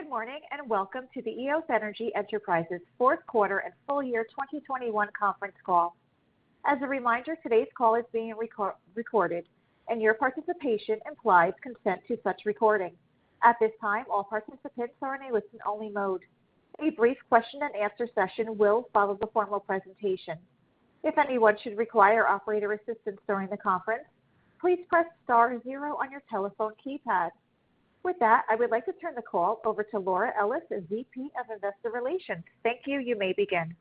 Good morning, and welcome to the Eos Energy Enterprises fourth quarter and full year 2021 conference call. As a reminder, today's call is being recorded, and your participation implies consent to such recording. At this time, all participants are in a listen-only mode. A brief question-and-answer session will follow the formal presentation. If anyone should require operator assistance during the conference, please press star zero on your telephone keypad. With that, I would like to turn the call over to Laura Ellis, VP of Investor Relations. Thank you. You may begin.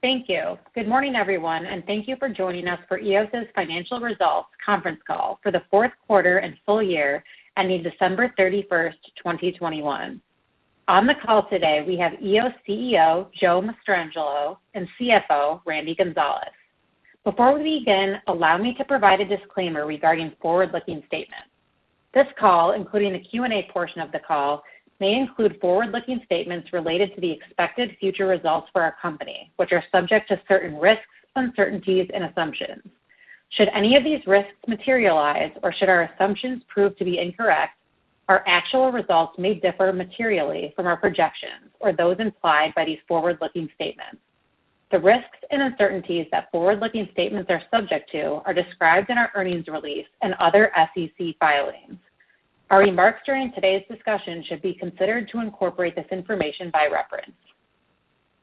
Thank you. Good morning, everyone, and thank you for joining us for Eos's Financial Results conference call for the fourth quarter and full year ending December 31, 2021. On the call today, we have Eos CEO, Joe Mastrangelo, and CFO, Randy Gonzales. Before we begin, allow me to provide a disclaimer regarding forward-looking statements. This call, including the Q&A portion of the call, may include forward-looking statements related to the expected future results for our company, which are subject to certain risks, uncertainties and assumptions. Should any of these risks materialize or should our assumptions prove to be incorrect, our actual results may differ materially from our projections or those implied by these forward-looking statements. The risks and uncertainties that forward-looking statements are subject to are described in our earnings release and other SEC filings. Our remarks during today's discussion should be considered to incorporate this information by reference.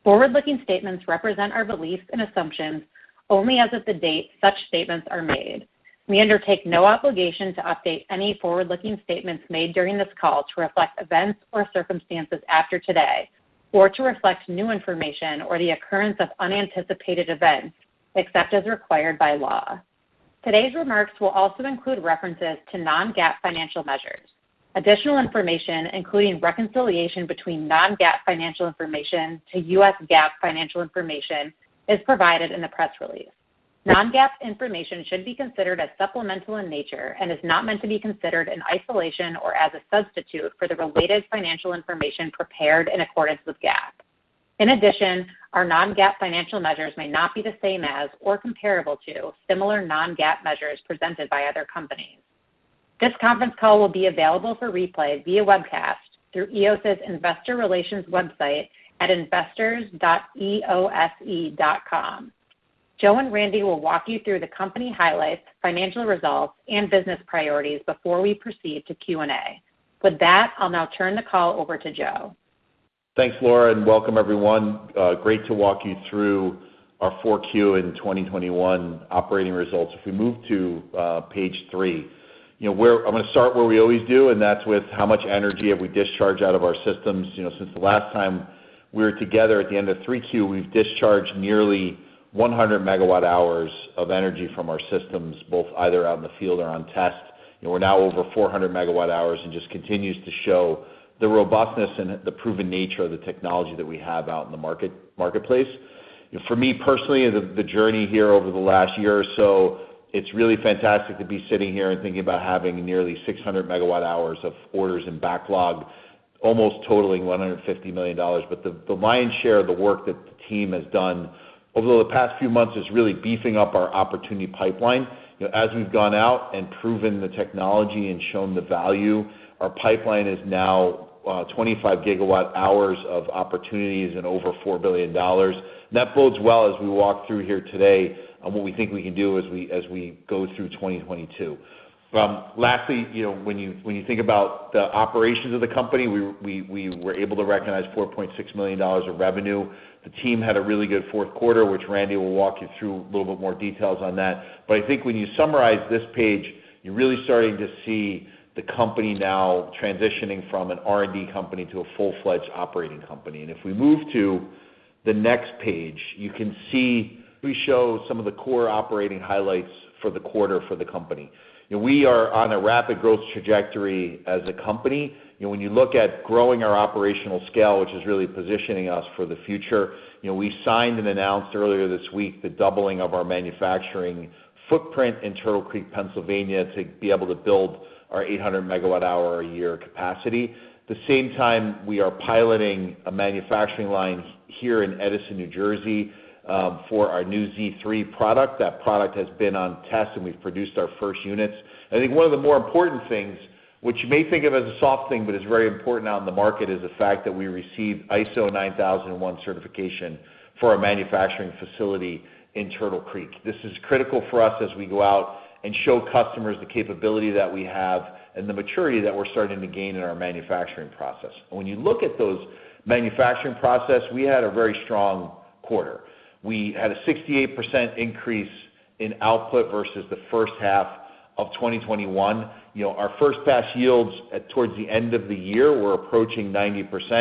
Forward-looking statements represent our beliefs and assumptions only as of the date such statements are made. We undertake no obligation to update any forward-looking statements made during this call to reflect events or circumstances after today or to reflect new information or the occurrence of unanticipated events, except as required by law. Today's remarks will also include references to non-GAAP financial measures. Additional information, including reconciliation between non-GAAP financial information to U.S. GAAP financial information is provided in the press release. Non-GAAP information should be considered as supplemental in nature and is not meant to be considered in isolation or as a substitute for the related financial information prepared in accordance with GAAP. In addition, our non-GAAP financial measures may not be the same as or comparable to similar non-GAAP measures presented by other companies. This conference call will be available for replay via webcast through Eos's investor relations website at investors.eose.com. Joe and Randy will walk you through the company highlights, financial results, and business priorities before we proceed to Q&A. With that, I'll now turn the call over to Joe. Thanks, Laura, and welcome everyone. Great to walk you through our Q4 2021 operating results. If we move to page three, I'm gonna start where we always do, and that's with how much energy have we discharged out of our systems. Since the last time we were together at the end of Q3, we've discharged nearly 100 MWh of energy from our systems, both either out in the field or on test. We're now over 400 MWh and just continues to show the robustness and the proven nature of the technology that we have out in the marketplace. For me personally, the journey here over the last year or so, it's really fantastic to be sitting here and thinking about having nearly 600 megawatt-hours of orders in backlog, almost totaling $150 million. The lion's share of the work that the team has done over the past few months is really beefing up our opportunity pipeline. As we've gone out and proven the technology and shown the value, our pipeline is now 25 gigawatt-hours of opportunities and over $4 billion. That bodes well as we walk through here today on what we think we can do as we go through 2022. Lastly, when you think about the operations of the company, we were able to recognize $4.6 million of revenue. The team had a really good fourth quarter, which Randy will walk you through a little bit more details on that. I think when you summarize this page, you're really starting to see the company now transitioning from an R&D company to a full-fledged operating company. If we move to the next page, you can see we show some of the core operating highlights for the quarter for the company. We are on a rapid growth trajectory as a company. When you look at growing our operational scale, which is really positioning us for the future, we signed and announced earlier this week the doubling of our manufacturing footprint in Turtle Creek, Pennsylvania, to be able to build our 800 MWh a year capacity. the same time, we are piloting a manufacturing line here in Edison, New Jersey, for our new Z3™ product. That product has been on test, and we've produced our first units. I think one of the more important things, which you may think of as a soft thing, but it's very important out in the market, is the fact that we received ISO 9001 certification for our manufacturing facility in Turtle Creek. This is critical for us as we go out and show customers the capability that we have and the maturity that we're starting to gain in our manufacturing process. When you look at those manufacturing process, we had a very strong quarter. We had a 68% increase in output versus the first half of 2021. Our first pass yields at towards the end of the year were approaching 90%,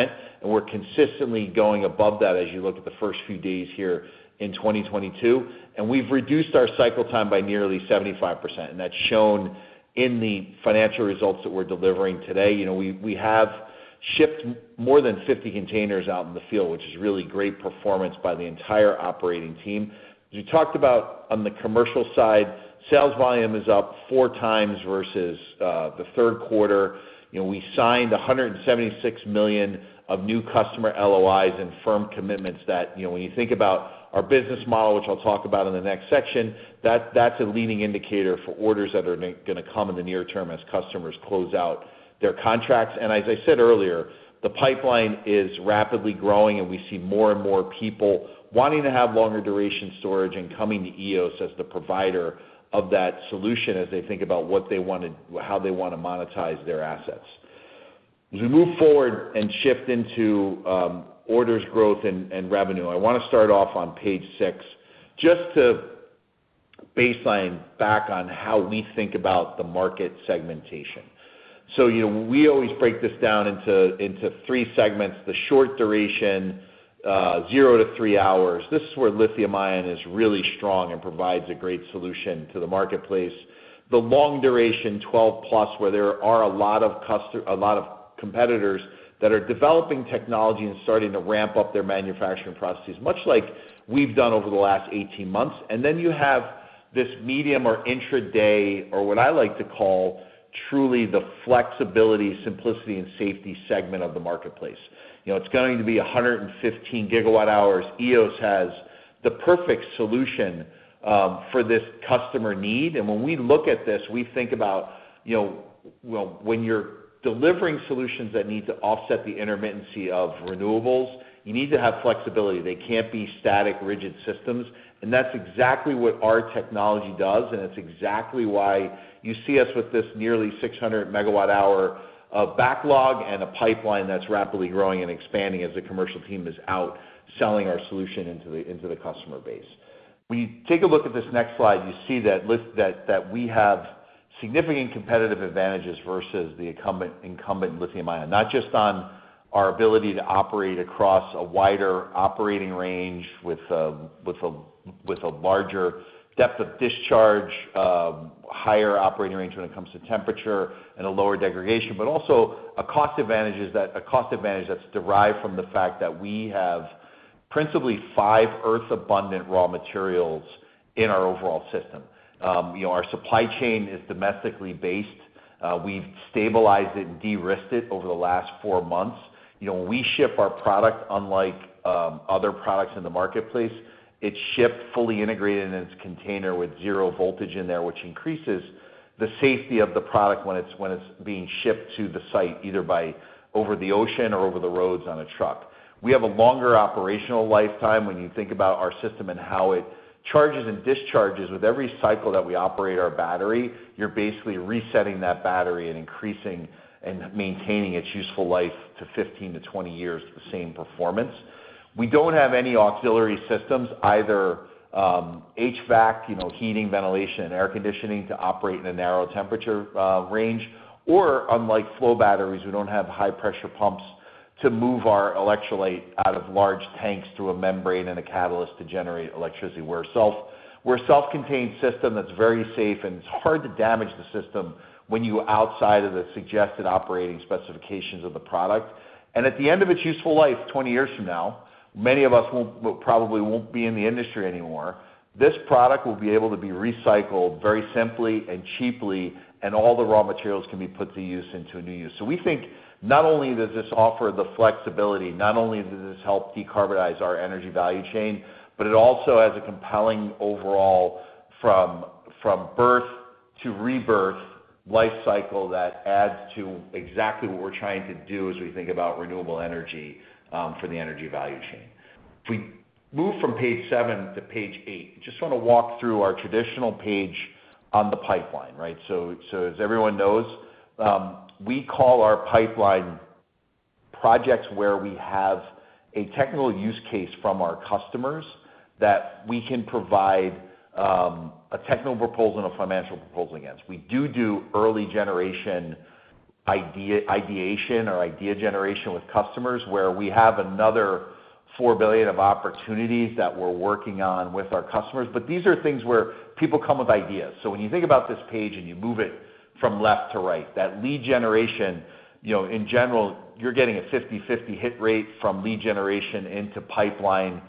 and we're consistently going above that as you look at the first few days here in 2022. We've reduced our cycle time by nearly 75%, and that's shown in the financial results that we're delivering today. We have shipped more than 50 containers out in the field, which is really great performance by the entire operating team. As we talked about on the commercial side, sales volume is up 4 times versus the third quarter. We signed $176 million of new customer LOIs and firm commitments that, when you think about our business model, which I'll talk about in the next section, that's a leading indicator for orders that are gonna come in the near term as customers close out their contracts. As I said earlier, the pipeline is rapidly growing, and we see more and more people wanting to have longer duration storage and coming to Eos as the provider of that solution as they think about how they wanna monetize their assets. We move forward and shift into orders growth and revenue. I wanna start off on page 6 just to baseline back on how we think about the market segmentation. We always break this down into three segments. The short duration, 0-3 hours. This is where lithium-ion is really strong and provides a great solution to the marketplace. The long duration, 12+, where there are a lot of competitors that are developing technology and starting to ramp up their manufacturing processes, much like we've done over the last 18 months. Then you have this medium or intraday, or what I like to call truly the flexibility, simplicity, and safety segment of the marketplace. It's going to be 115 GWh. Eos has the perfect solution for this customer need. When we look at this, we think about, well, when you're delivering solutions that need to offset the intermittency of renewables, you need to have flexibility. They can't be static, rigid systems. That's exactly what our technology does, and it's exactly why you see us with this nearly 600 MWh of backlog and a pipeline that's rapidly growing and expanding as the commercial team is out selling our solution into the customer base. When you take a look at this next slide, you see that we have significant competitive advantages versus the incumbent lithium-ion. Not just on our ability to operate across a wider operating range with a larger depth of discharge, higher operating range when it comes to temperature and a lower degradation, but also a cost advantage that's derived from the fact that we have principally five earth-abundant raw materials in our overall system. Our supply chain is domestically based. We've stabilized it and de-risked it over the last 4 months. When we ship our product, unlike other products in the marketplace, it's shipped fully integrated in its container with 0 voltage in there, which increases the safety of the product when it's being shipped to the site, either by over the ocean or over the roads on a truck. We have a longer operational lifetime when you think about our system and how it charges and discharges. With every cycle that we operate our battery, you're basically resetting that battery and increasing and maintaining its useful life to 15-20 years with the same performance. We don't have any auxiliary systems, either, HVAC, heating, ventilation, and air conditioning to operate in a narrow temperature range. Unlike flow batteries, we don't have high-pressure pumps to move our electrolyte out of large tanks through a membrane and a catalyst to generate electricity. We're a self-contained system that's very safe, and it's hard to damage the system when you're outside of the suggested operating specifications of the product. At the end of its useful life, 20 years from now, many of us probably won't be in the industry anymore. This product will be able to be recycled very simply and cheaply, and all the raw materials can be put to use into a new use. We think not only does this offer the flexibility, not only does this help decarbonize our energy value chain, but it also has a compelling overall from birth to rebirth life cycle that adds to exactly what we're trying to do as we think about renewable energy for the energy value chain. If we move from page 7 to page 8, just wanna walk through our traditional page on the pipeline, right? As everyone knows, we call our pipeline projects where we have a technical use case from our customers that we can provide a technical proposal and a financial proposal against. We do early generation ideation or idea generation with customers, where we have another 4 billion of opportunities that we're working on with our customers. These are things where people come with ideas. When you think about this page and you move it from left to right, that lead generation, in general, you're getting a 50/50 hit rate from lead generation into pipeline.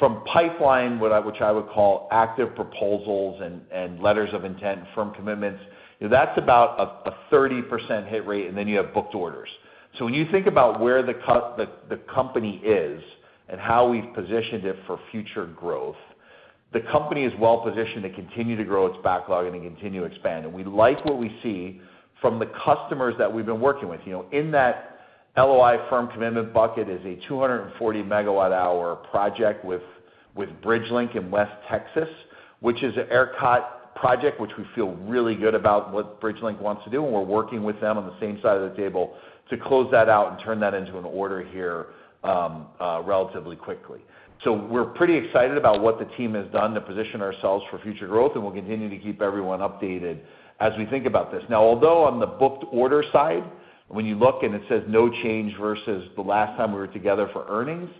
From pipeline, which I would call active proposals and letters of intent, firm commitments, that's about a 30% hit rate, and then you have booked orders. When you think about where the company is and how we've positioned it for future growth, the company is well positioned to continue to grow its backlog and to continue to expand. We like what we see from the customers that we've been working with. In that LOI firm commitment bucket is a 240 megawatt-hour project with Bridgelink in West Texas, which is an ERCOT project, which we feel really good about what Bridgelink wants to do, and we're working with them on the same side of the table to close that out and turn that into an order here relatively quickly. We're pretty excited about what the team has done to position ourselves for future growth, and we'll continue to keep everyone updated as we think about this. Now, although on the booked order side, when you look and it says no change versus the last time, we were together for earnings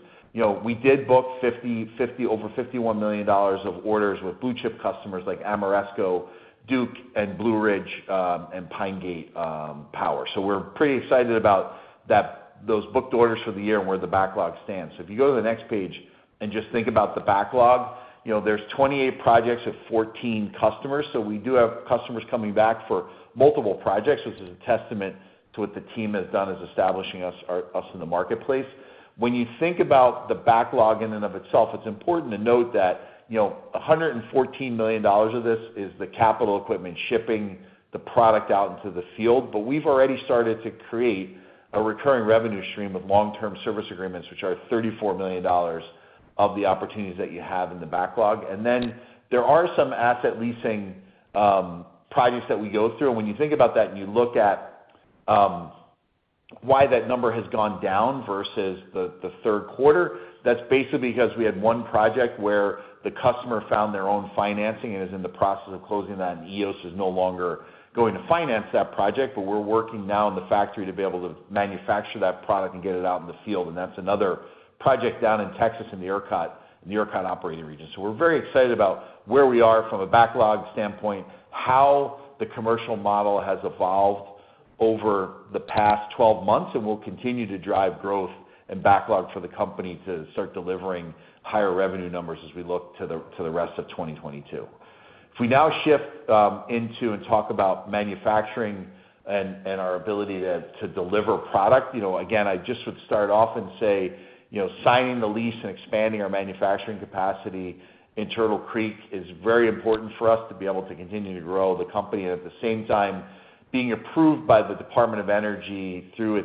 we did book over $51 million of orders with blue-chip customers like Ameresco, Duke, Blue Ridge Power, and Pine Gate Renewables. We're pretty excited about that, those booked orders for the year and where the backlog stands. If you go to the next page and just think about the backlog, there's 28 projects of 14 customers. We do have customers coming back for multiple projects, which is a testament to what the team has done is establishing us in the marketplace. When you think about the backlog in and of itself, it's important to note that, $114 million of this is the capital equipment shipping the product out into the field. But we've already started to create a recurring revenue stream of long-term service agreements, which are $34 million of the opportunities that you have in the backlog. There are some asset leasing projects that we go through. When you think about that and you look at why that number has gone down versus the third quarter, that's basically because we had one project where the customer found their own financing and is in the process of closing that, and Eos is no longer going to finance that project, but we're working now in the factory to be able to manufacture that product and get it out in the field. That's another project down in Texas in the ERCOT operating region. We're very excited about where we are from a backlog standpoint, how the commercial model has evolved over the past 12 months, and will continue to drive growth and backlog for the company to start delivering higher revenue numbers as we look to the rest of 2022. If we now shift into and talk about manufacturing and our ability to deliver product, again, I just would start off and say, signing the lease and expanding our manufacturing capacity in Turtle Creek is very important for us to be able to continue to grow the company. At the same time, being approved by the Department of Energy through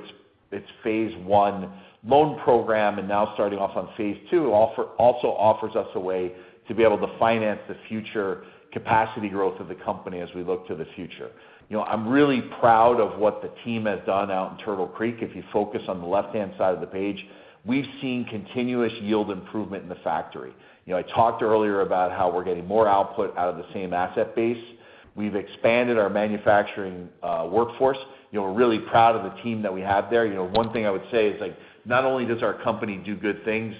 its phase one loan program and now starting off on phase two also offers us a way to be able to finance the future capacity growth of the company as we look to the future. I'm really proud of what the team has done out in Turtle Creek. If you focus on the left-hand side of the page, we've seen continuous yield improvement in the factory. I talked earlier about how we're getting more output out of the same asset base. We've expanded our manufacturing workforce. We're really proud of the team that we have there. One thing I would say is, like, not only does our company do good things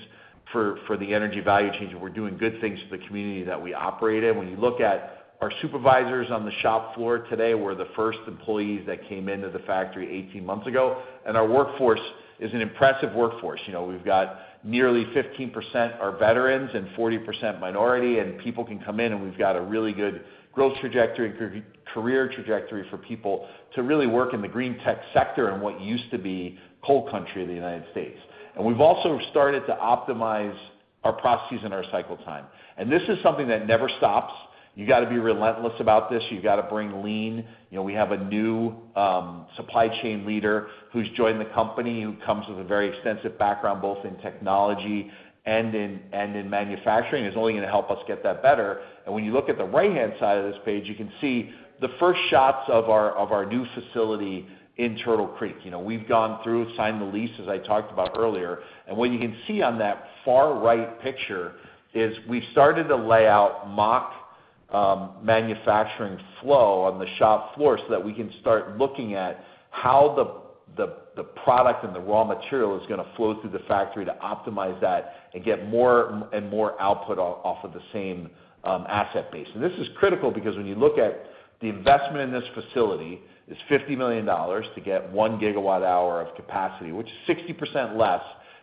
for the energy value chain, but we're doing good things for the community that we operate in. When you look at our supervisors on the shop floor today, they were the first employees that came into the factory 18 months ago, and our workforce is an impressive workforce. We've got nearly 15% are veterans and 40% minority, and people can come in, and we've got a really good growth trajectory, career trajectory for people to really work in the green tech sector in what used to be coal country of the United States. We've also started to optimize our processes and our cycle time. This is something that never stops. You gotta be relentless about this. You gotta bring lean. We have a new supply chain leader who's joined the company, who comes with a very extensive background, both in technology and in manufacturing, is only gonna help us get that better. When you look at the right-hand side of this page, you can see the first shots of our new facility in Turtle Creek. We've gone through, signed the lease, as I talked about earlier. What you can see on that far right picture is we've started to lay out mock manufacturing flow on the shop floor so that we can start looking at how the product and the raw material is gonna flow through the factory to optimize that and get more output off of the same asset base. This is critical because when you look at the investment in this facility is $50 million to get 1 gigawatt hour of capacity, which is 60% less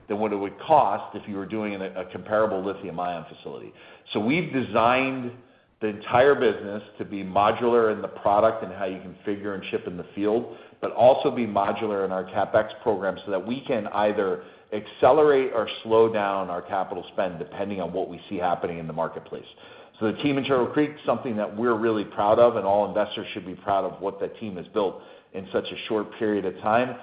than what it would cost if you were doing it in a comparable lithium-ion facility. We've designed the entire business to be modular in the product and how you configure and ship in the field, but also be modular in our CapEx program so that we can either accelerate or slow down our capital spend depending on what we see happening in the marketplace. The team in Turtle Creek is something that we're really proud of, and all investors should be proud of what that team has built in such a short period of time.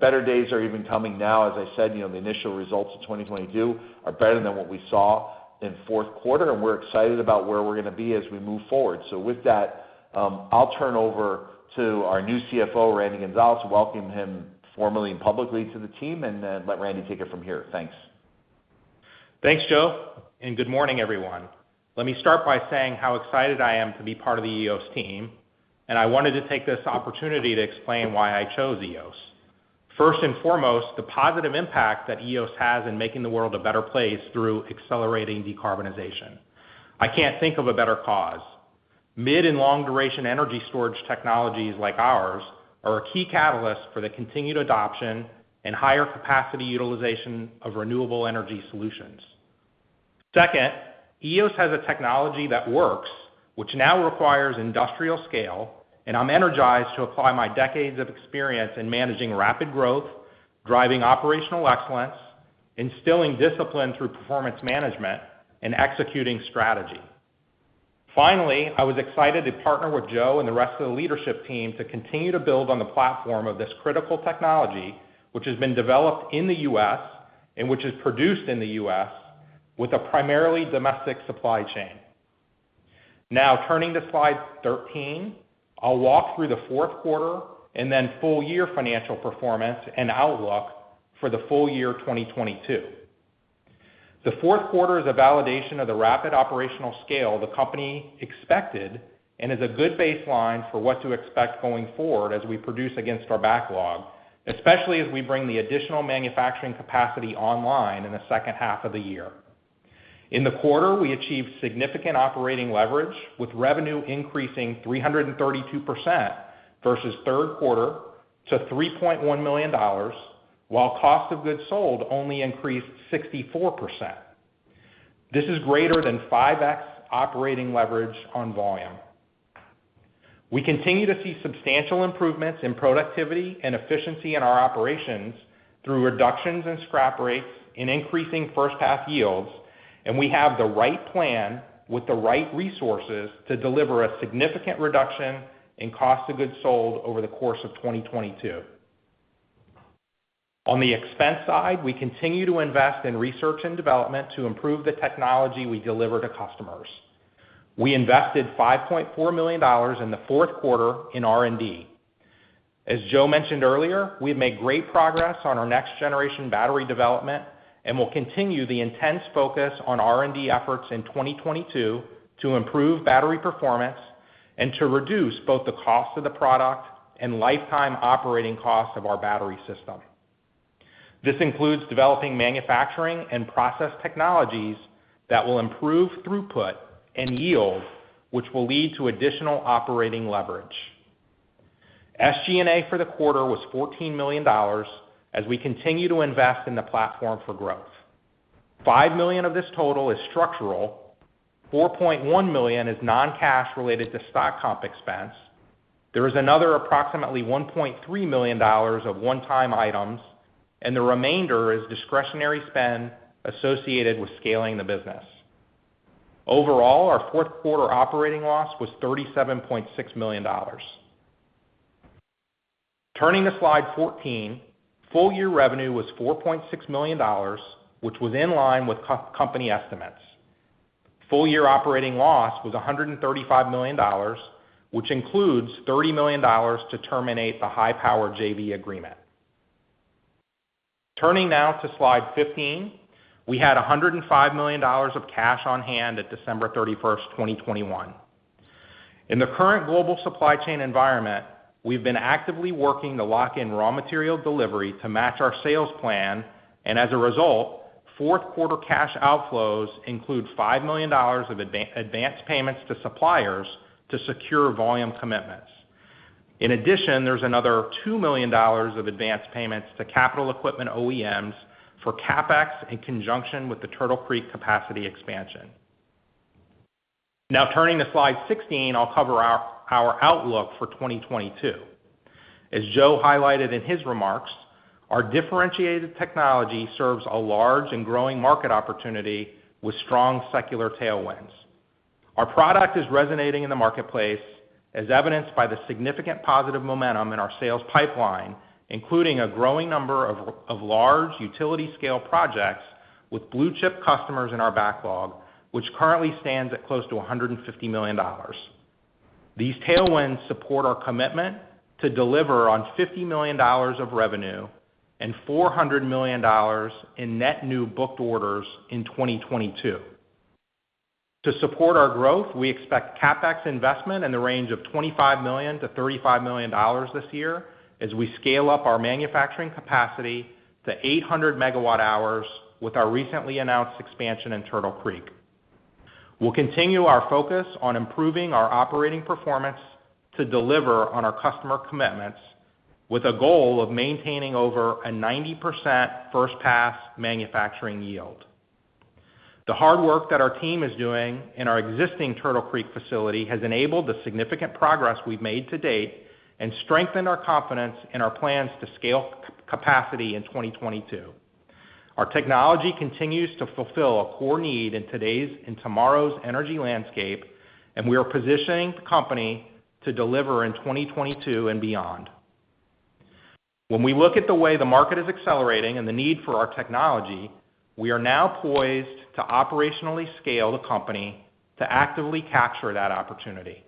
Better days are even coming now. As I said, the initial results of 2022 are better than what we saw in fourth quarter, and we're excited about where we're gonna be as we move forward. With that, I'll turn over to our new CFO, Randy Gonzales, welcome him formally and publicly to the team, and then let Randy take it from here. Thanks. Thanks, Joe, and good morning, everyone. Let me start by saying how excited I am to be part of the Eos team, and I wanted to take this opportunity to explain why I chose Eos. First and foremost, the positive impact that Eos has in making the world a better place through accelerating decarbonization. I can't think of a better cause. Mid and long-duration energy storage technologies like ours are a key catalyst for the continued adoption and higher capacity utilization of renewable energy solutions. Second, Eos has a technology that works, which now requires industrial scale, and I'm energized to apply my decades of experience in managing rapid growth, driving operational excellence, instilling discipline through performance management, and executing strategy. Finally, I was excited to partner with Joe and the rest of the leadership team to continue to build on the platform of this critical technology, which has been developed in the U.S. and which is produced in the U.S. with a primarily domestic supply chain. Now, turning to slide 13, I'll walk through the fourth quarter and then full year financial performance and outlook for the full year 2022. The fourth quarter is a validation of the rapid operational scale the company expected and is a good baseline for what to expect going forward as we produce against our backlog, especially as we bring the additional manufacturing capacity online in the second half of the year. In the quarter, we achieved significant operating leverage with revenue increasing 332% versus third quarter to $3.1 million, while cost of goods sold only increased 64%. This is greater than 5x operating leverage on volume. We continue to see substantial improvements in productivity and efficiency in our operations through reductions in scrap rates and increasing first-pass yields, and we have the right plan with the right resources to deliver a significant reduction in cost of goods sold over the course of 2022. On the expense side, we continue to invest in research and development to improve the technology we deliver to customers. We invested $5.4 million in the fourth quarter in R&D. As Joe mentioned earlier, we've made great progress on our next generation battery development, and we'll continue the intense focus on R&D efforts in 2022 to improve battery performance and to reduce both the cost of the product and lifetime operating costs of our battery system. This includes developing manufacturing and process technologies that will improve throughput and yield, which will lead to additional operating leverage. SG&A for the quarter was $14 million as we continue to invest in the platform for growth. $5 million of this total is structural, $4.1 million is non-cash related to stock comp expense. There is another approximately $1.3 million of one-time items, and the remainder is discretionary spend associated with scaling the business. Overall, our fourth quarter operating loss was $37.6 million. Turning to slide 14, full year revenue was $4.6 million, which was in line with company estimates. Full year operating loss was $135 million, which includes $30 million to terminate the HI-POWER JV agreement. Turning now to slide 15, we had $105 million of cash on hand at December 31, 2021. In the current global supply chain environment, we've been actively working to lock in raw material delivery to match our sales plan. As a result, fourth quarter cash outflows include $5 million of advanced payments to suppliers to secure volume commitments. In addition, there's another $2 million of advanced payments to capital equipment OEMs for CapEx in conjunction with the Turtle Creek capacity expansion. Now turning to slide 16, I'll cover our outlook for 2022. As Joe highlighted in his remarks, our differentiated technology serves a large and growing market opportunity with strong secular tailwinds. Our product is resonating in the marketplace as evidenced by the significant positive momentum in our sales pipeline, including a growing number of large utility scale projects with blue chip customers in our backlog, which currently stands at close to $150 million. These tailwinds support our commitment to deliver on $50 million of revenue and $400 million in net new booked orders in 2022. To support our growth, we expect CapEx investment in the range of $25 million-$35 million this year as we scale up our manufacturing capacity to 800 MWh with our recently announced expansion in Turtle Creek. We'll continue our focus on improving our operating performance to deliver on our customer commitments with a goal of maintaining over 90% first pass manufacturing yield. The hard work that our team is doing in our existing Turtle Creek facility has enabled the significant progress we've made to date and strengthened our confidence in our plans to scale capacity in 2022. Our technology continues to fulfill a core need in today's and tomorrow's energy landscape, and we are positioning the company to deliver in 2022 and beyond. When we look at the way the market is accelerating and the need for our technology, we are now poised to operationally scale the company to actively capture that opportunity.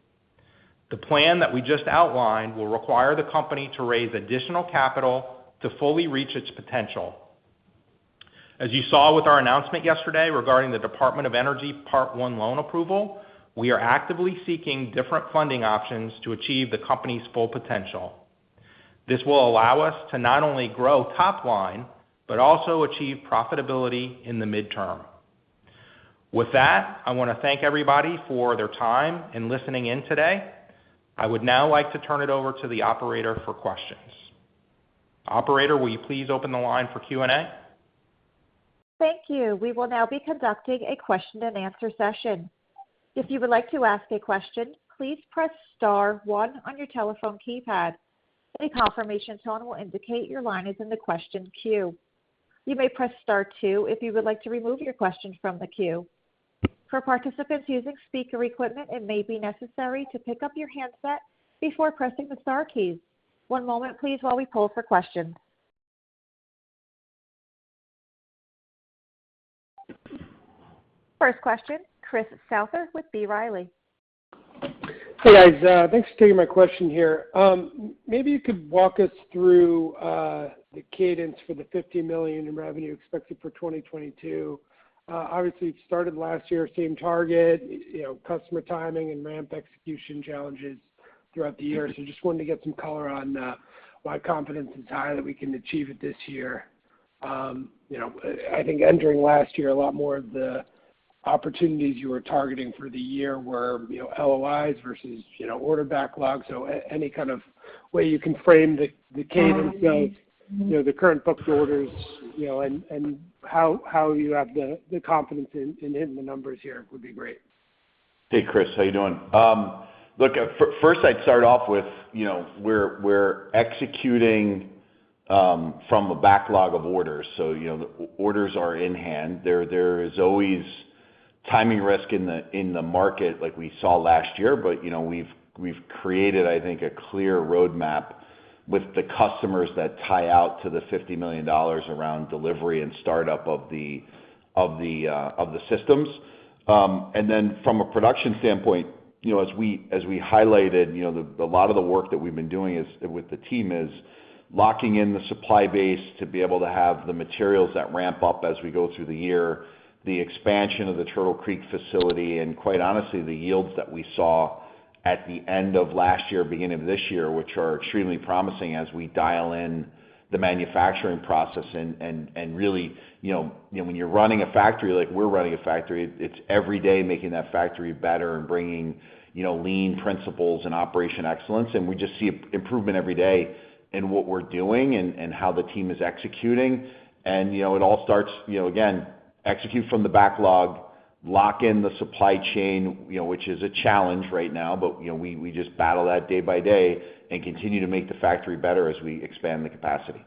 The plan that we just outlined will require the company to raise additional capital to fully reach its potential. As you saw with our announcement yesterday regarding the Department of Energy Part One loan approval, we are actively seeking different funding options to achieve the company's full potential. This will allow us to not only grow top line, but also achieve profitability in the midterm. With that, I want to thank everybody for their time and listening in today. I would now like to turn it over to the operator for questions. Operator, will you please open the line for Q&A? Thank you, we will now be conducting a question-and-answer session. If you would like to ask a question, please press star 1 on your telephone keypad, a confirmation tone will indicate your line is on the question queue. You may press star 2 if you would like to remove your questions from the queue. For participants using speaker equipment, it may be necessary to pick up your handset before pressing the star key. One moment please, while we poll for the question. First question, Chris Souther with B. Riley. Hey, guys. Thanks for taking my question here. Maybe you could walk us through the cadence for the $50 million in revenue expected for 2022. Obviously, it started last year, same target, customer timing and ramp execution challenges throughout the year. Just wanted to get some color on why confidence is high that we can achieve it this year. I think entering last year, a lot more of the opportunities you were targeting for the year were LOIs versus order backlog. Any kind of way you can frame the cadence of the current booked orders, and how you have the confidence in hitting the numbers here would be great. Hey, Chris. How you doing? Look, first I'd start off with, we're executing from a backlog of orders. The orders are in hand. There is always Timing risk in the market like we saw last year, but we've created, I think, a clear roadmap with the customers that tie out to the $50 million around delivery and startup of the systems. From a production standpoint, as we highlighted the lot of the work that we've been doing is with the team locking in the supply base to be able to have the materials that ramp up as we go through the year, the expansion of the Turtle Creek facility, and quite honestly, the yields that we saw at the end of last year, beginning of this year, which are extremely promising as we dial in the manufacturing process and really when you're running a factory like we're running a factory, it's every day making that factory better and bringing lean principles and operational excellence. We just see improvement every day in what we're doing and how the team is executing. It all starts again, execute from the backlog, lock in the supply chain which is a challenge right now. We just battle that day by day and continue to make the factory better as we expand the capacity.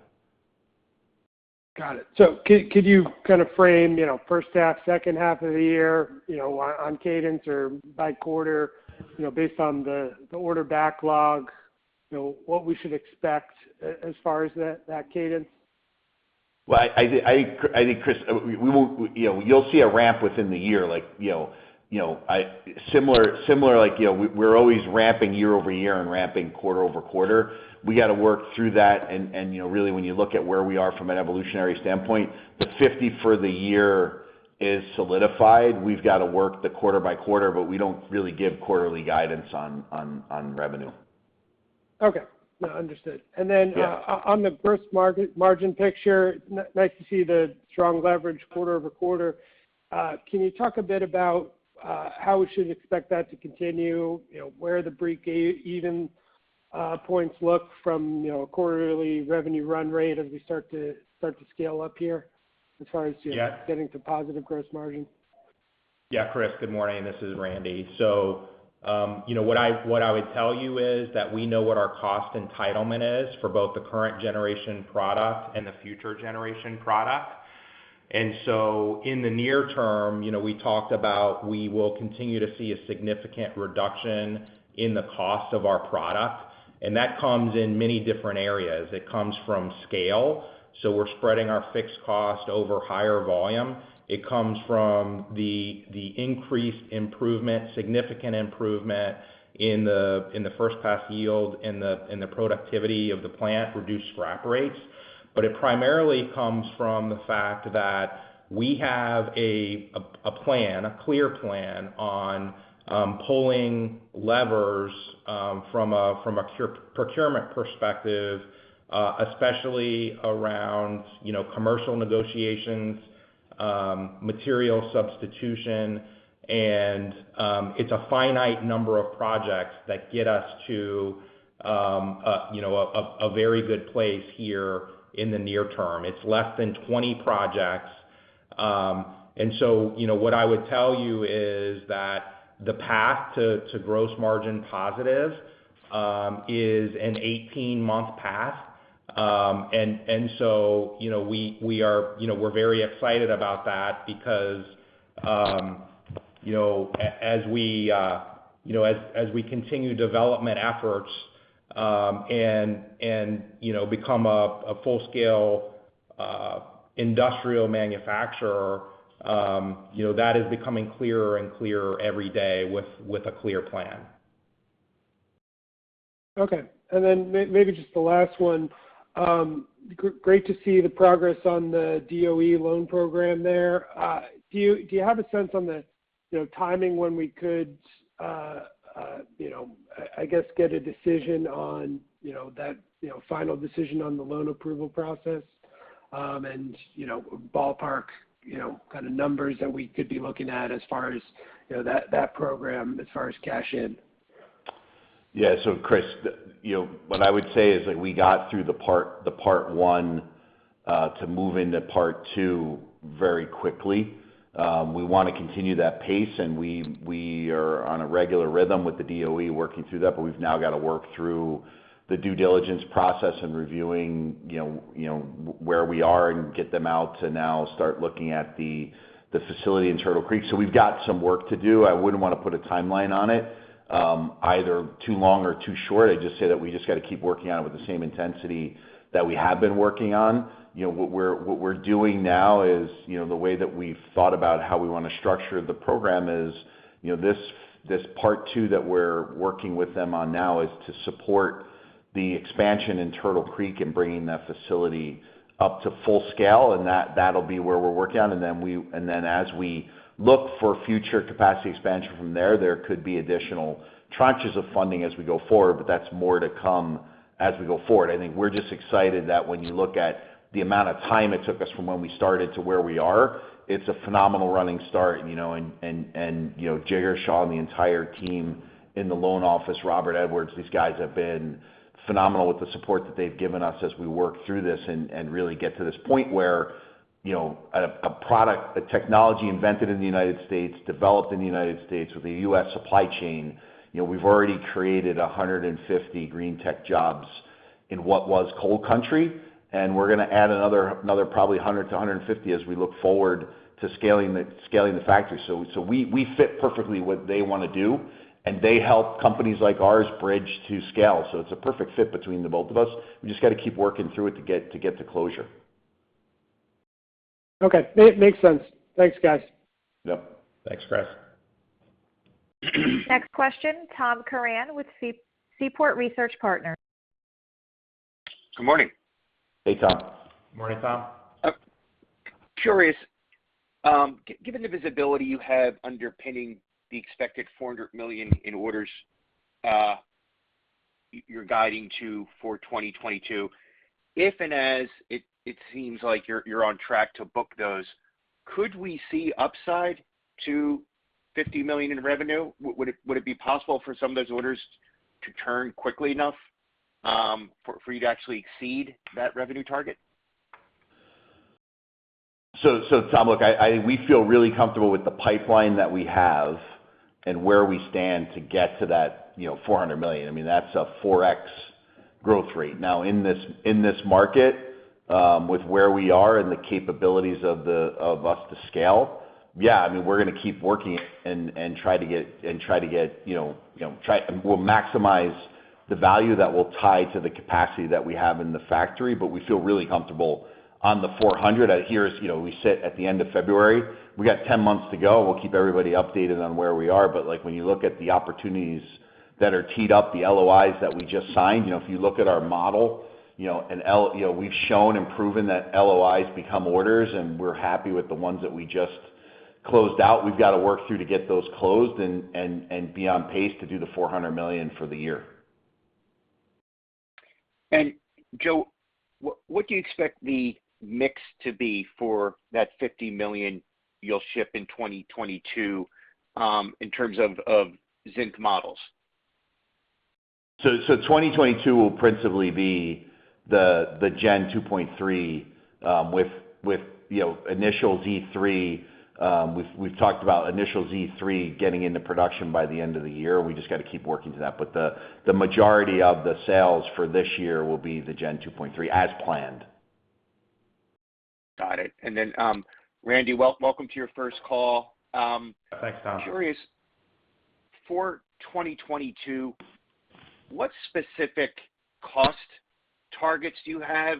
Got it. Could you kind of frame first half, second half of the year on cadence or by quarter based on the order backlog, what we should expect as far as that cadence? Well, I think, Chris, we will, you'll see a ramp within the year, similar like we're always ramping year-over-year and ramping quarter-over-quarter. We got to work through that and really when you look at where we are from an evolutionary standpoint, the 50 for the year is solidified. We've got to work quarter by quarter, but we don't really give quarterly guidance on revenue. Okay. No, understood. Yeah. On the gross margin picture, nice to see the strong leverage quarter-over-quarter. Can you talk a bit about how we should expect that to continue? Where the break-even points look from a quarterly revenue run rate as we start to scale up here as far as- Yeah Getting to positive gross margin? Yeah, Chris, good morning. This is Randy. What I would tell you is that we know what our cost entitlement is for both the current generation product and the future generation product. In the near term we talked about we will continue to see a significant reduction in the cost of our product, and that comes in many different areas. It comes from scale, so we're spreading our fixed cost over higher volume. It comes from the increased improvement, significant improvement in the first pass yield, in the productivity of the plant, reduced scrap rates. It primarily comes from the fact that we have a clear plan on pulling levers from a procurement perspective, especially around commercial negotiations, material substitution, and it's a finite number of projects that get us to a very good place here in the near term. It's less than 20 projects. What I would tell you is that the path to gross margin positive is an 18-month path. We're very excited about that because as we continue development efforts, and become a full-scale industrial manufacturer that is becoming clearer and clearer every day with a clear plan. Okay. Maybe just the last one. Great to see the progress on the DOE loan program there. Do you have a sense on the timing when we could, I guess, get a decision on that final decision on the loan approval process? Ballpark kind of numbers that we could be looking at as far as that program as far as cash in? Yeah. Chris, what I would say is that we got through part one to move into part two very quickly. We wanna continue that pace, and we are on a regular rhythm with the DOE working through that, but we've now got to work through the due diligence process and reviewing, where we are and get them out to now start looking at the facility in Turtle Creek. We've got some work to do. I wouldn't want to put a timeline on it, either too long or too short. I'd just say that we just got to keep working on it with the same intensity that we have been working on. What we're doing now is the way that we've thought about how we want to structure the program is, this part two that we're working with them on now is to support the expansion in Turtle Creek and bringing that facility up to full scale, and that'll be where we're working on. As we look for future capacity expansion from there could be additional tranches of funding as we go forward, but that's more to come as we go forward. I think we're just excited that when you look at the amount of time it took us from when we started to where we are, it's a phenomenal running start. Jigar Shah and the entire team in the loan office, Robert Edwards, these guys have been phenomenal with the support that they've given us as we work through this and really get to this point where a product, a technology invented in the United States, developed in the United States with a U.S. supply chain. We've already created 150 green tech jobs in what was coal country, and we're gonna add another probably 100 to 150 as we look forward to scaling the factory. We fit perfectly what they wanna do, and they help companies like ours bridge to scale. It's a perfect fit between the both of us. We just gotta keep working through it to get to closure. Okay. Makes sense. Thanks, guys. Yep. Thanks, Chris. Next question, Tom Curran with Seaport Research Partners. Good morning. Hey, Tom. Morning, Tom. I'm curious, given the visibility you have underpinning the expected $400 million in orders you're guiding to for 2022, if and as it seems like you're on track to book those, could we see upside to $50 million in revenue? Would it be possible for some of those orders to turn quickly enough for you to actually exceed that revenue target? Tom, look, we feel really comfortable with the pipeline that we have and where we stand to get to that $400 million. I mean, that's a 4x growth rate. Now, in this market, with where we are and the capabilities of us to scale, yeah, I mean, we're gonna keep working and try to get, we'll maximize the value that we'll tie to the capacity that we have in the factory, but we feel really comfortable on the $400 million. We sit at the end of February. We got 10 months to go, and we'll keep everybody updated on where we are. like, when you look at the opportunities that are teed up, the LOIs that we just signed, if you look at our model, we've shown and proven that LOIs become orders, and we're happy with the ones that we just closed out. We've got to work through to get those closed and be on pace to do $400 million for the year. Joe, what do you expect the mix to be for that $50 million you'll ship in 2022, in terms of zinc models? 2022 will principally be the Gen 2.3 with initial Z3™. We've talked about initial Z3™ getting into production by the end of the year. We just got to keep working to that. The majority of the sales for this year will be the Gen 2.3 as planned. Got it. Randy, welcome to your first call. Thanks, Tom. curious, for 2022, what specific cost targets do you have?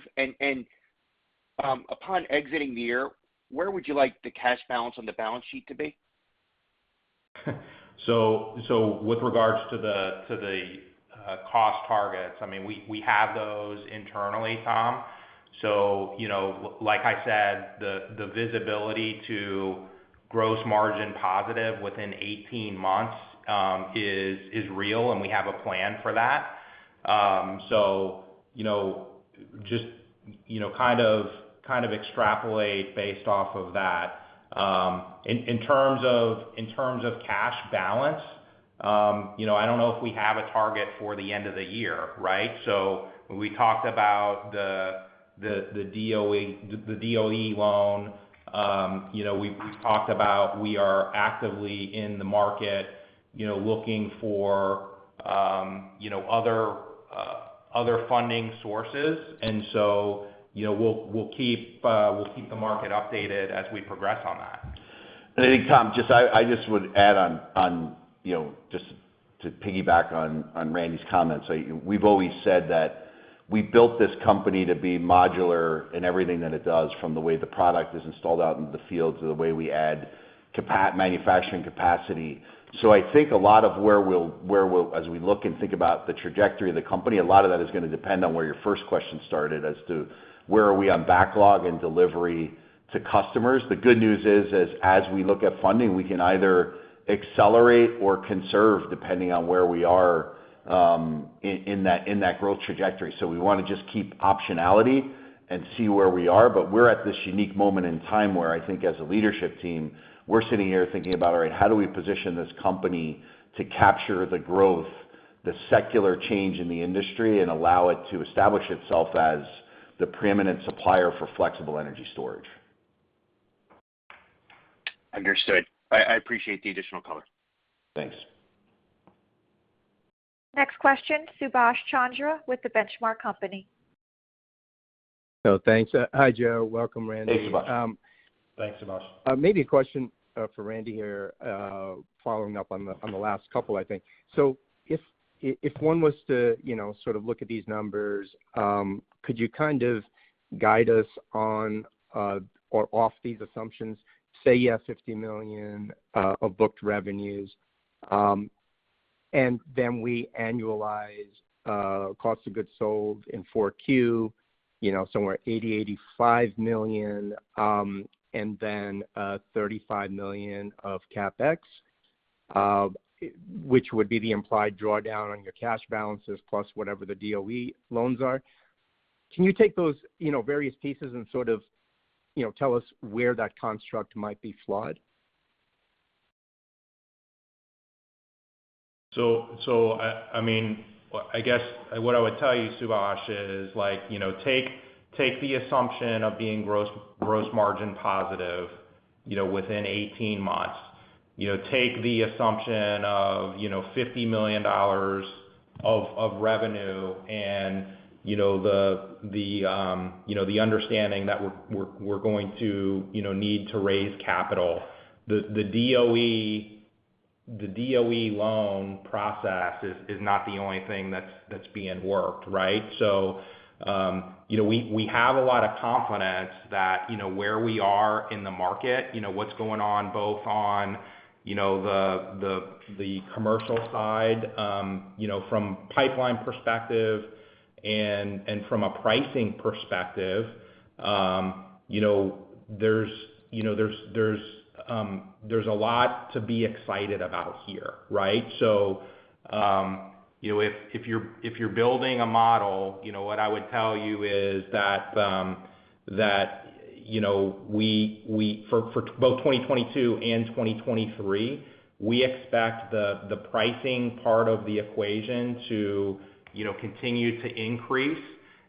Upon exiting the year, where would you like the cash balance on the balance sheet to be? With regards to the cost targets, I mean, we have those internally, Tom. Like I said, the visibility to gross margin positive within 18 months is real, and we have a plan for that. Just kind of extrapolate based off of that. In terms of cash balance, I don't know if we have a target for the end of the year, right? When we talked about the DOE loan, we've talked about we are actively in the market, looking for other funding sources. We'll keep the market updated as we progress on that. I think, Tom, just I just would add on, just to piggyback on Randy's comments. We've always said that we built this company to be modular in everything that it does, from the way the product is installed out into the field to the way we add manufacturing capacity. I think a lot of where we'll as we look and think about the trajectory of the company, a lot of that is gonna depend on where your first question started as to where we on backlog and delivery to customers. The good news is as we look at funding, we can either accelerate or conserve depending on where we are in that growth trajectory. We wanna just keep optionality and see where we are. We're at this unique moment in time where I think, as a leadership team, we're sitting here thinking about, all right, how do we position this company to capture the growth, the secular change in the industry and allow it to establish itself as the preeminent supplier for flexible energy storage. Understood. I appreciate the additional color. Thanks. Next question, Subash Chandra with The Benchmark Company. Thanks. Hi, Joe. Welcome, Randy. Hey, Subash. Thanks, Subash. Maybe a question for Randy here, following up on the last couple, I think. If one was to, sort of look at these numbers, could you kind of guide us on or off these assumptions? Say you have $50 million of booked revenues, and then we annualize cost of goods sold in Q4, somewhere $80-$85 million, and then $35 million of CapEx, which would be the implied drawdown on your cash balances plus whatever the DOE loans are. Can you take those various pieces and sort of, tell us where that construct might be flawed? I mean, I guess what I would tell you, Subash, is like, take the assumption of being gross margin positive within 18 months. Take the assumption of, $50 million of revenue and, the understanding that we're going to, need to raise capital. The DOE loan process is not the only thing that's being worked, right? We have a lot of confidence that where we are in the market, what's going on both on the commercial side from pipeline perspective and from a pricing perspective, there's a lot to be excited about here, right? If you're building a model, what I would tell you is that, we for both 2022 and 2023, we expect the pricing part of the equation to continue to increase,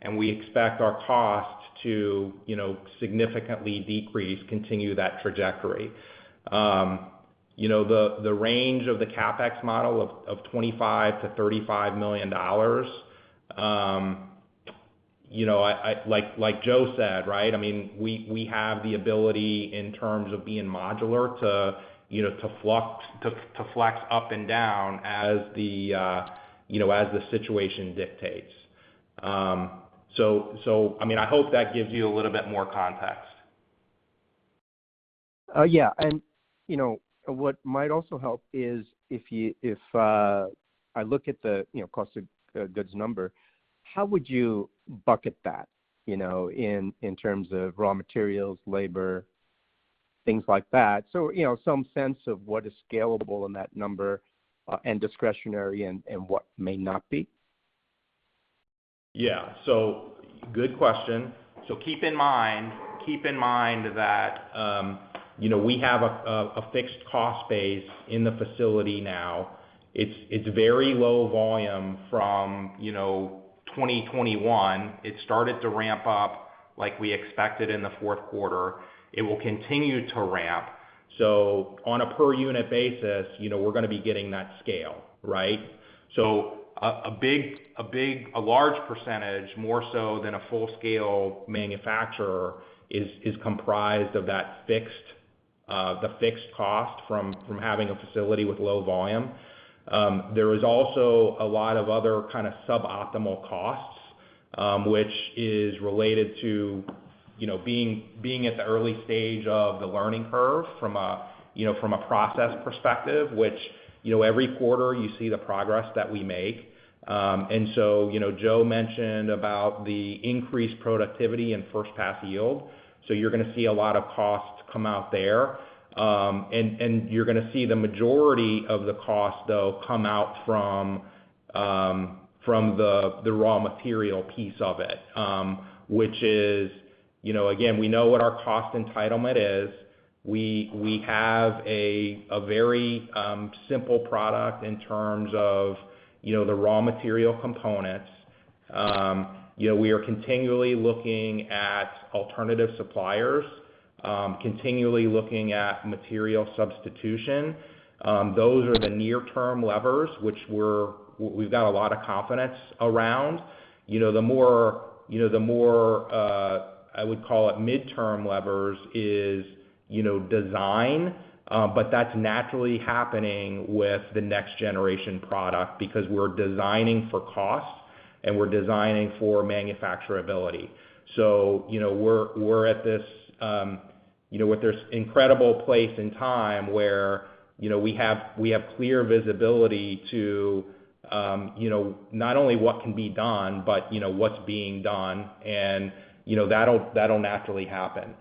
and we expect our costs to significantly decrease, continue that trajectory. THe range of the CapEx model of $25 million-$35 million, like Joe said, right? I mean, we have the ability in terms of being modular to, to flex up and down as the, as the situation dictates. I mean, I hope that gives you a little bit more context. Yeah. What might also help is if I look at the cost of goods number, how would you bucket that in terms of raw materials, labor, things like that? Some sense of what is scalable in that number, and discretionary and what may not be. Yeah. Good question. Keep in mind that we have a fixed cost base in the facility now. It's very low volume from 2021. It started to ramp up like we expected in the fourth quarter. It will continue to ramp. On a per unit basis, we're gonna be getting that scale, right? A large percentage, more so than a full-scale manufacturer is comprised of that fixed cost from having a facility with low volume. There is also a lot of other kind of suboptimal costs, which is related to being at the early stage of the learning curve from a process perspective, which every quarter you see the progress that we make. Joe mentioned about the increased productivity and first pass yield. You're gonna see a lot of costs come out there. You're gonna see the majority of the cost though come out from the raw material piece of it, which is again, we know what our cost entitlement is. We have a very simple product in terms of the raw material components. We are continually looking at alternative suppliers, continually looking at material substitution. Those are the near-term levers, which we've got a lot of confidence around. The more I would call it midterm levers is design. But that's naturally happening with the next generation product because we're designing for cost and we're designing for manufacturability. We're at this, what this incredible place and time where we have clear visibility to not only what can be done, but what's being done and that'll naturally happen.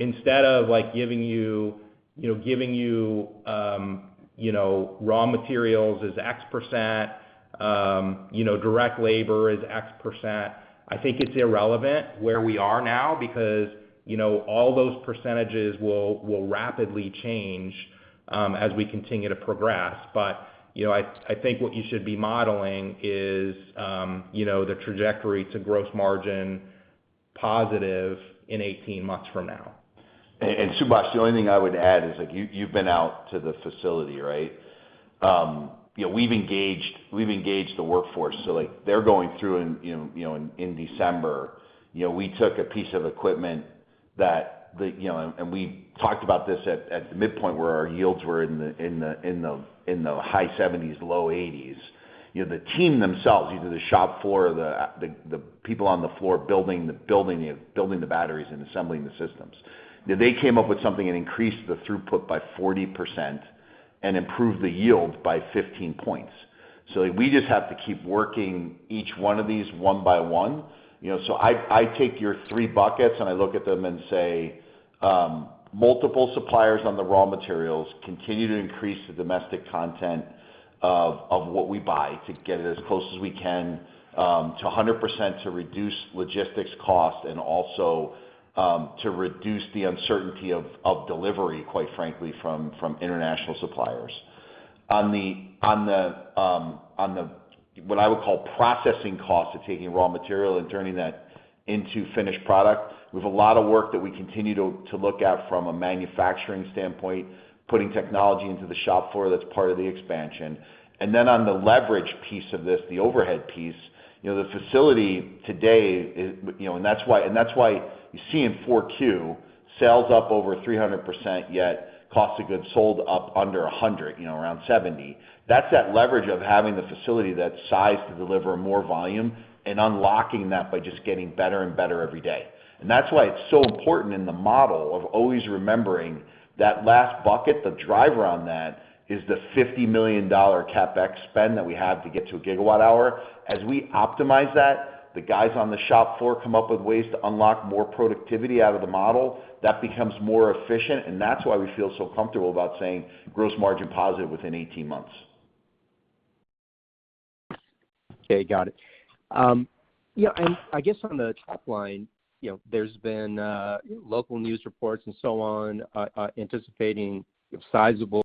Instead of like giving you raw materials is X%, direct labor is X%, I think it's irrelevant where we are now because all those percentages will rapidly change as we continue to progress. I think what you should be modeling is the trajectory to gross margin positive in 18 months from now. Subash, the only thing I would add is like you've been out to the facility, right? We've engaged the workforce. Like they're going through and, in December, we took a piece of equipment that the. We talked about this at the midpoint where our yields were in the high 70s, low 80s. The team themselves, either the shop floor or the people on the floor building the batteries and assembling the systems. They came up with something that increased the throughput by 40% and improved the yield by 15 points. We just have to keep working each one of these one by one. I take your three buckets and I look at them and say, multiple suppliers on the raw materials continue to increase the domestic content of what we buy to get it as close as we can to 100% to reduce logistics costs and also to reduce the uncertainty of delivery, quite frankly, from international suppliers. On the what I would call processing cost of taking raw material and turning that into finished product, we have a lot of work that we continue to look at from a manufacturing standpoint, putting technology into the shop floor that's part of the expansion. Then on the leverage piece of this, the overhead piece, the facility today is. That's why you see in Q4, sales up over 300%, yet cost of goods sold up under 100%, around 70%. That's that leverage of having the facility that's sized to deliver more volume and unlocking that by just getting better and better every day. That's why it's so important in the model of always remembering that last bucket, the driver on that, is the $50 million CapEx spend that we have to get to 1 GWh. As we optimize that, the guys on the shop floor come up with ways to unlock more productivity out of the model, that becomes more efficient, and that's why we feel so comfortable about saying gross margin positive within 18 months. Okay, got it. Yeah, I guess on the top line there's been local news reports and so on anticipating sizable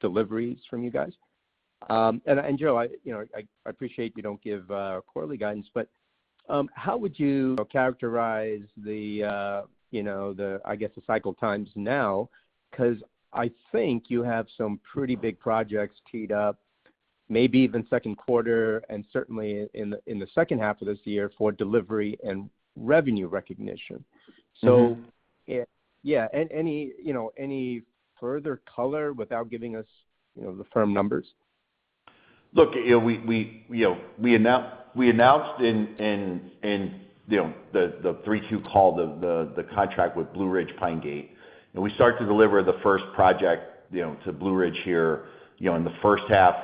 deliveries from you guys. Joe, I appreciate you don't give quarterly guidance, but how would you characterize the I guess, the cycle times now? 'Cause I think you have some pretty big projects teed up, maybe even second quarter and certainly in the second half of this year for delivery and revenue recognition. Mm-hmm. Yeah, any further color without giving us the firm numbers? Look, we announced in the Q3 2022 call the contract with Blue Ridge and Pine Gate. We start to deliver the first project, to Blue Ridge here in the first half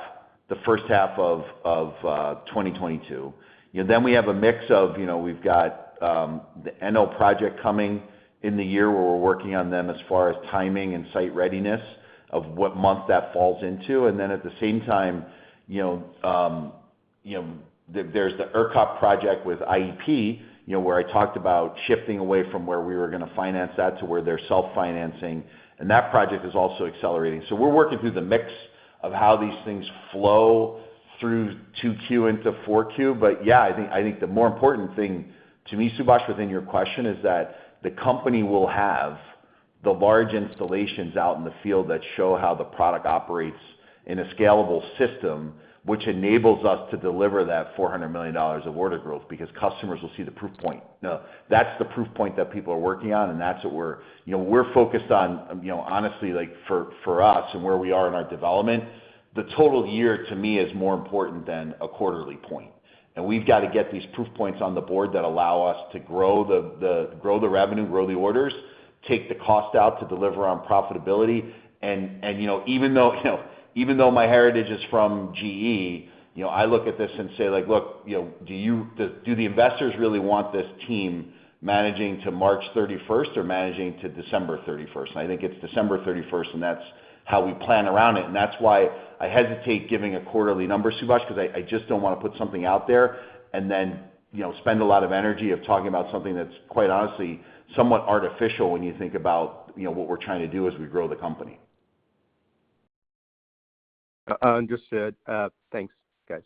of 2022. We have a mix of, we've got the NO project coming in the year where we're working on them as far as timing and site readiness of what month that falls into. At the same time, there's the ERCOT project with IEP, where I talked about shifting away from where we were gonna finance that to where they're self-financing, and that project is also accelerating. We're working through the mix of how these things flow through 2Q into 4Q. But yeah, I think the more important thing to me, Subash, within your question is that the company will have the large installations out in the field that show how the product operates in a scalable system, which enables us to deliver that $400 million of order growth because customers will see the proof point. Now, that's the proof point that people are working on, and that's what we're focused on. Honestly, like for us and where we are in our development, the total year to me is more important than a quarterly point. We've got to get these proof points on the board that allow us to grow the revenue, grow the orders, take the cost out to deliver on profitability. Even though my heritage is from GE, I look at this and say like, "Look, do the investors really want this team managing to March thirty-first or managing to December thirty-first?" I think it's December thirty-first, and that's how we plan around it. That's why I hesitate giving a quarterly number, Subash, 'cause I just don't wanna put something out there and then spend a lot of energy of talking about something that's quite honestly somewhat artificial when you think about what we're trying to do as we grow the company. Understood. Thanks, guys.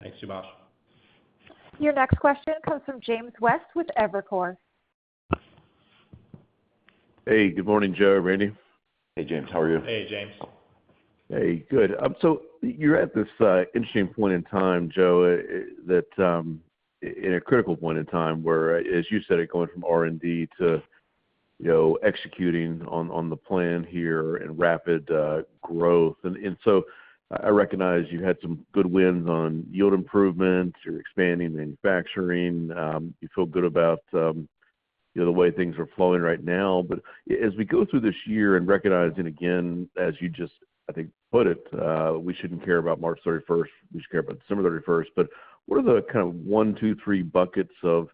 Thanks, Subash. Your next question comes from James West with Evercore. Hey, good morning, Joe, Randy. Hey, James. How are you? Hey, James. Hey, good. You're at this interesting point in time, Joe, that in a critical point in time, where, as you said, going from R&D to, executing on the plan here and rapid growth. I recognize you had some good wins on yield improvements. You're expanding the manufacturing. You feel good about the way things are flowing right now. As we go through this year and recognizing again, as you just, I think, put it, we shouldn't care about March 31, we should care about December 31. What are the kind of one, two, three buckets of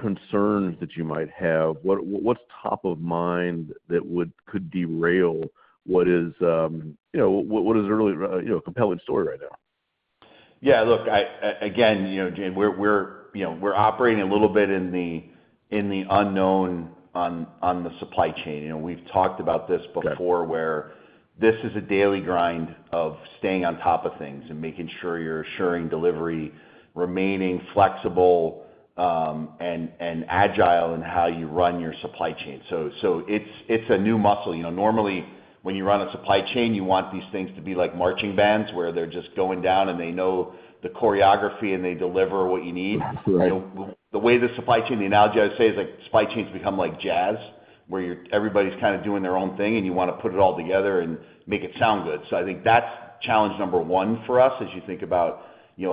concerns that you might have? What's top of mind that could derail what is really a compelling story right now? Yeah. Look, again, James, we're operating a little bit in the unknown on the supply chain. We've talked about this before. Okay... where this is a daily grind of staying on top of things and making sure you're assuring delivery, remaining flexible, and agile in how you run your supply chain. It's a new muscle. Normally, when you run a supply chain, you want these things to be like marching bands, where they're just going down and they know the choreography, and they deliver what you need. Absolutely. The way the supply chain, the analogy I would say is like supply chains become like jazz, where everybody's kind of doing their own thing, and you wanna put it all together and make it sound good. I think that's challenge number 1 for us as you think about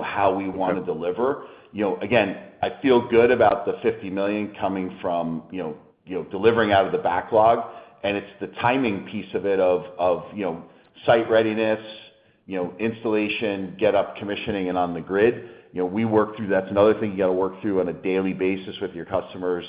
how we wanna deliver. Again, I feel good about the $50 million coming from delivering out of the backlog, and it's the timing piece of site readiness, installation, get up commissioning and on the grid. We work through that. It's another thing you gotta work through on a daily basis with your customers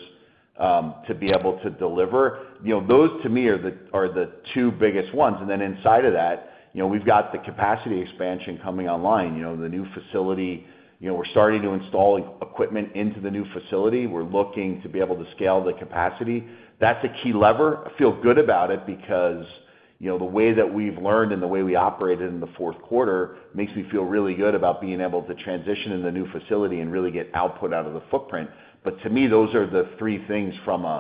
to be able to deliver. Those to me are the 2 biggest ones. Inside of that, we've got the capacity expansion coming online. The new facility we're starting to install equipment into the new facility. We're looking to be able to scale the capacity. That's a key lever. I feel good about it because the way that we've learned and the way we operated in the fourth quarter makes me feel really good about being able to transition in the new facility and really get output out of the footprint. But to me, those are the three things from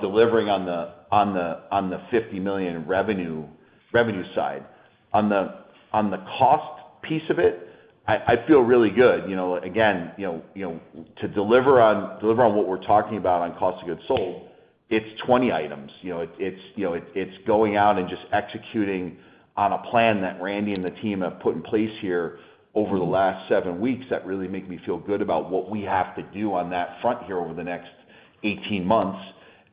delivering on the $50 million revenue side. On the cost piece of it, I feel really good. Again, to deliver on what we're talking about on cost of goods sold, it's 20 items. It's going out and just executing on a plan that Randy and the team have put in place here over the last seven weeks that really make me feel good about what we have to do on that front here over the next 18 months.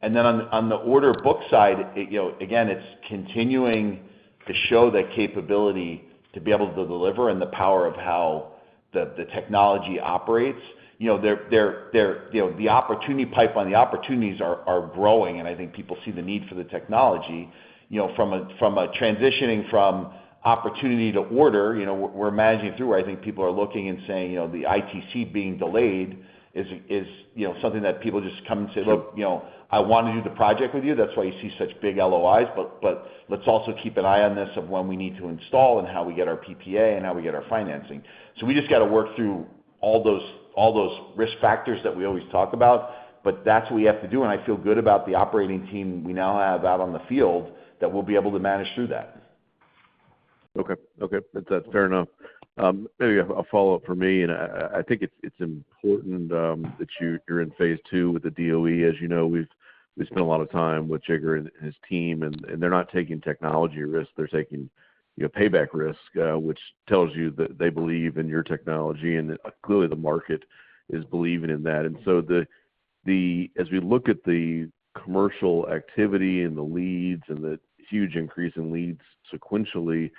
On the order book side, again, it's continuing to show the capability to be able to deliver and the power of how the technology operates. The opportunity pipeline, the opportunities are growing, and I think people see the need for the technology. From a transitioning from opportunity to order, we're managing through where I think people are looking and saying, the ITC being delayed is, something that people just come and say, "Look, I wanna do the project with you." That's why you see such big LOIs. But let's also keep an eye on this of when we need to install and how we get our PPA and how we get our financing. We just gotta work through all those risk factors that we always talk about, but that's what we have to do. I feel good about the operating team we now have out on the field that we'll be able to manage through that. Okay. That's fair enough. Maybe a follow-up for me, and I think it's important that you're in phase two with the DOE. As we've spent a lot of time with Jigar and his team, and they're not taking technology risk. They're taking payback risk, which tells you that they believe in your technology and that clearly the market is believing in that. As we look at the commercial activity and the leads and the huge increase in leads sequentially,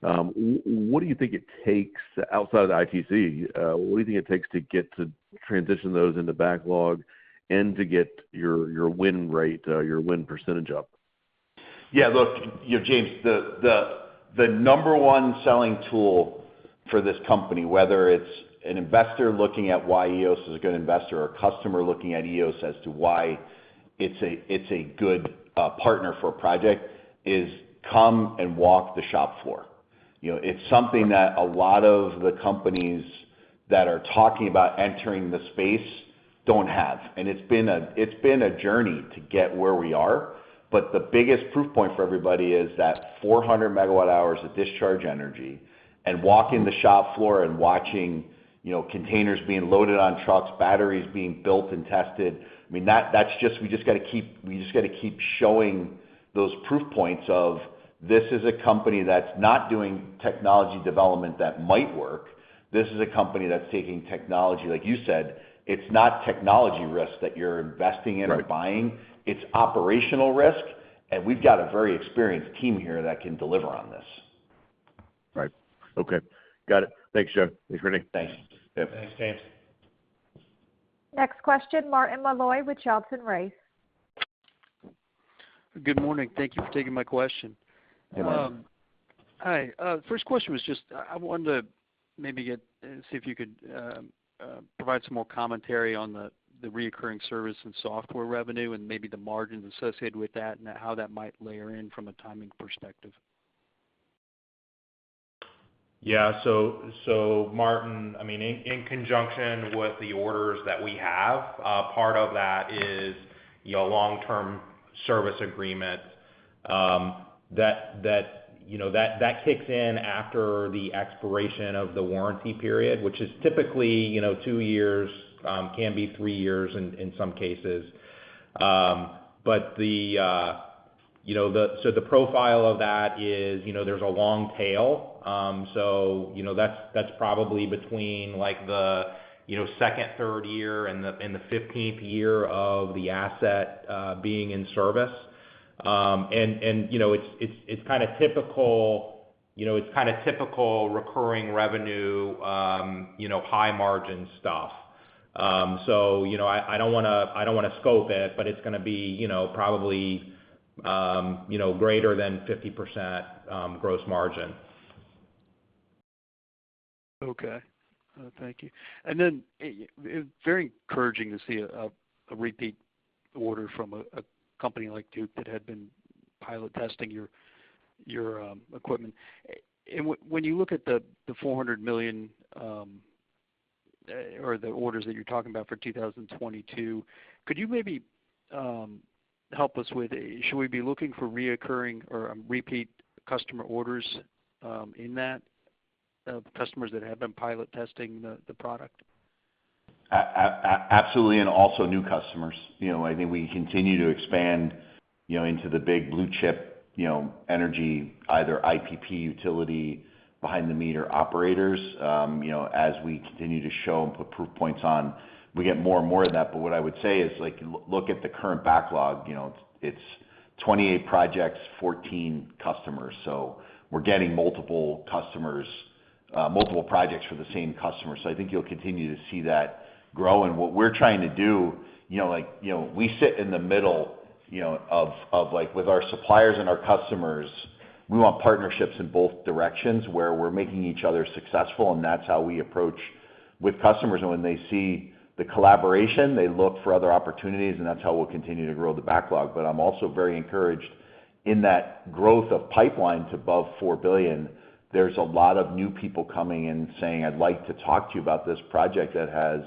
what do you think it takes outside of the ITC, what do you think it takes to get to transition those into backlog and to get your win rate, your win percentage up? Yeah, look James, the number one selling tool for this company, whether it's an investor looking at why Eos is a good investment or customer looking at Eos as to why it's a good partner for a project, is come and walk the shop floor. It's something that a lot of the companies that are talking about entering the space don't have. It's been a journey to get where we are, but the biggest proof point for everybody is that 400 megawatt hours of discharge energy and walking the shop floor and watching, containers being loaded on trucks, batteries being built and tested. I mean, that's just we just gotta keep showing those proof points of, this is a company that's not doing technology development that might work. This is a company that's taking technology. Like you said, it's not technology risk that you're investing in or buying. Right. It's operational risk, and we've got a very experienced team here that can deliver on this. Right. Okay. Got it. Thanks, Joe. Thanks, Randy. Thanks. Thanks, James. Next question, Martin Malloy with Johnson Rice & Company. Good morning. Thank you for taking my question. Good morning. Hi. First question was just I wanted to maybe see if you could provide some more commentary on the recurring service and software revenue and maybe the margins associated with that and how that might layer in from a timing perspective. Yeah. Martin, I mean, in conjunction with the orders that we have, part of that is long-term service agreement that kicks in after the expiration of the warranty period, which is typically two years, can be three years in some cases. The profile of that is, there's a long tail. That's probably between like the second, third year and the fifteenth year of the asset being in service. It's kinda typical recurring revenuehigh-margin stuff. I don't wanna scope it, but it's gonna be probably greater than 50% gross margin. Okay. Thank you. Very encouraging to see a repeat order from a company like Duke that had been pilot testing your equipment. When you look at the $400 million or the orders that you're talking about for 2022, could you maybe help us with should we be looking for recurring or repeat customer orders in that customers that have been pilot testing the product? Absolutely, also new customers. I think we continue to expand into the big blue chip, energy, either IPP utility behind the meter operators. As we continue to show and put proof points on, we get more and more of that. What I would say is, like, look at the current backlog. It's 28 projects, 14 customers. We're getting multiple projects for the same customer. I think you'll continue to see that grow. What we're trying to do, like we sit in the middle of like with our suppliers and our customers, we want partnerships in both directions where we're making each other successful, and that's how we approach with customers. When they see the collaboration, they look for other opportunities, and that's how we'll continue to grow the backlog. I'm also very encouraged in that growth of pipelines above $4 billion. There's a lot of new people coming in saying, "I'd like to talk to you about this project that has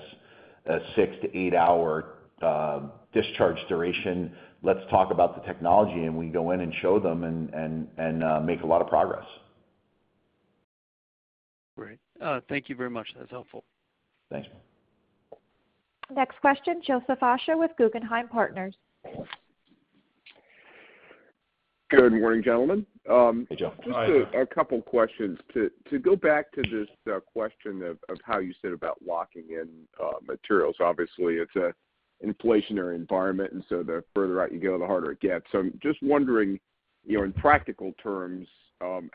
a 6-8-hour discharge duration. Let's talk about the technology." We go in and show them and make a lot of progress. Great. Thank you very much. That's helpful. Thanks. Next question, Joseph Osha with Guggenheim Securities. Good morning, gentlemen. Hey, Joe. Hi. Just a couple questions. To go back to this question of how you said about locking in materials. Obviously, it's an inflationary environment, and so the further out you go, the harder it gets. I'm just wondering in practical terms,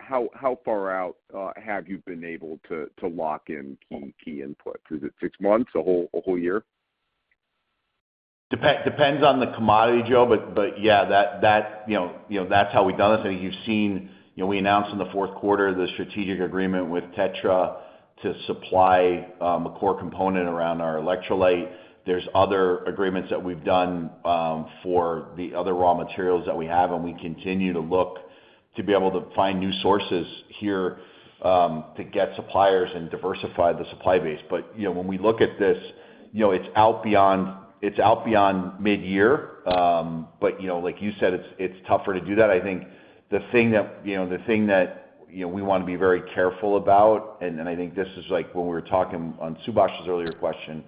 how far out have you been able to lock in key inputs? Is it six months? A whole year? Depends on the commodity, Joe. Yeah, that's how we've done this. I think you've seen we announced in the fourth quarter the strategic agreement with TETRA to supply a core component around our electrolyte. There's other agreements that we've done for the other raw materials that we have, and we continue to look to be able to find new sources here to get suppliers and diversify the supply base. When we look at this, it's out beyond midyear. Like you said, it's tougher to do that. I think the thing that we wanna be very careful about, and I think this is like when we were talking on Subash's earlier question.